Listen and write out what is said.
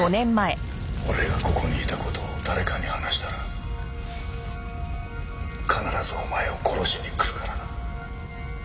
俺がここにいた事を誰かに話したら必ずお前を殺しに来るからな。